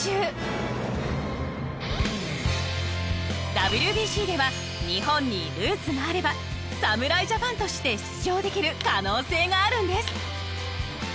ＷＢＣでは日本にルーツがあれば侍ジャパンとして出場できる可能性があるんです。